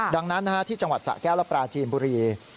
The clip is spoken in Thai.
ดังนั้นที่จังหวัดสะแก้วและปราจีนบุรี